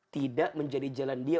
tidak menjadi jalan dia